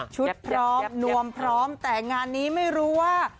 พร้อมนวมพร้อมแต่งานนี้ไม่รู้ว่า